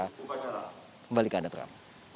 kembali ke anda terang